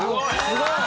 すごい！